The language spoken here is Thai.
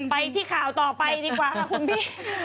ไปที่ข่าวต่อไปดีกว่าค่ะคุณพี่